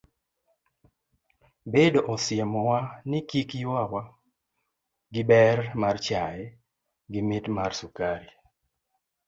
Bedo osiemo wa ni kik yuawa gi ber mar chai gi mit mar sukari.